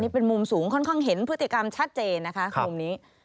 เป็นมุมสูงค่อนข้างเห็นพฤติกรรมชัดเจนนะคะมุมนี้